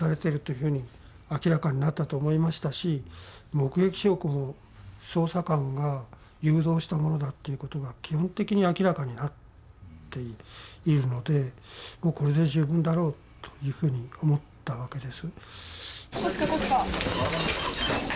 目撃証拠も捜査官が誘導したものだということが基本的に明らかになっているのでもうこれで十分だろうというふうに思ったわけです。